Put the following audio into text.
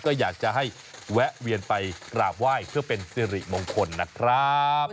ก็อยากจะให้แวะเวียนไปกราบไหว้เพื่อเป็นสิริมงคลนะครับ